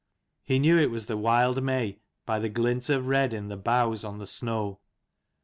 He knew it was the wild may by the glint of red in the boughs on the snow.